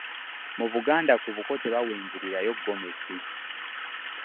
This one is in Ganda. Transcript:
mu buganda ku bukko tebawenjulirayo ggomesi.